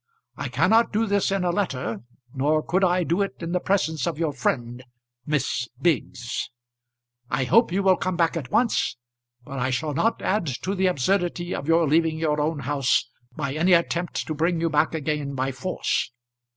I cannot do this in a letter, nor could I do it in the presence of your friend, Miss Biggs. I hope you will come back at once; but I shall not add to the absurdity of your leaving your own house by any attempt to bring you back again by force.